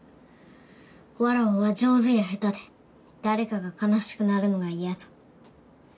わらわは上手や下手で誰かが悲しくなるのが嫌ぞ。